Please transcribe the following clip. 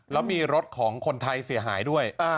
แล้วมีรถของคนไทยเสียหายด้วย